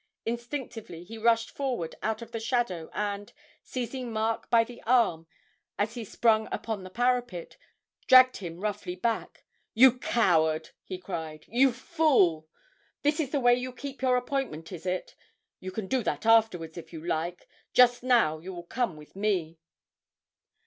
Instinctively he rushed forward out of the shadow and, seizing Mark by the arm as he sprang upon the parapet, dragged him roughly back. 'You coward!' he cried, 'you fool! This is the way you keep your appointment, is it? You can do that afterwards if you like just now you will come with me.'